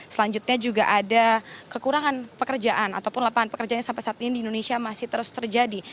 selanjutnya juga ada kekurangan pekerjaan ataupun lapangan pekerjaan yang sampai saat ini di indonesia masih terus terjadi